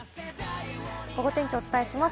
ゴゴ天気をお伝えします。